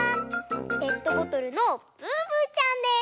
ペットボトルのブーブーちゃんです。